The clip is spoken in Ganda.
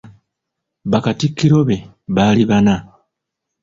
Bakatikkiro be baali bana.